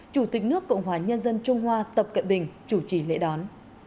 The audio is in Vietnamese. chủ tịch nước cộng hòa nhân dân trung hoa tập cận bình chủ trì lễ đón